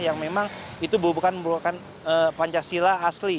yang memang itu bukan merupakan pancasila asli